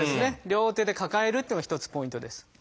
両手で抱えるっていうのが一つポイントです。